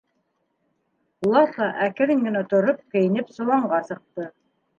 Лапа әкрен генә тороп, кейенеп соланға сыҡты.